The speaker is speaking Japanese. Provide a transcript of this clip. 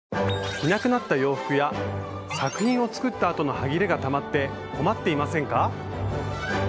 着なくなった洋服や作品を作ったあとのはぎれがたまって困っていませんか？